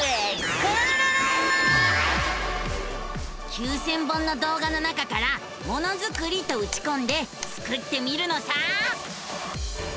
９，０００本の動画の中から「ものづくり」とうちこんでスクってみるのさ！